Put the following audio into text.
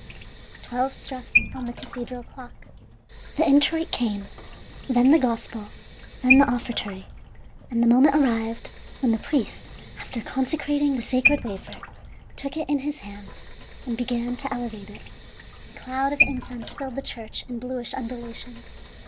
Twelve struck on the cathedral clock. The introit came, then the Gospel, then the offertory, and the moment arrived when the priest, after consecrating the sacred wafer, took it in his hands and began to elevate it. A cloud of incense filled the church in bluish undulations.